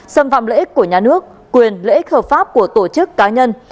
xâm phạm lợi ích của nhà nước quyền lợi ích hợp pháp của tổ chức cá nhân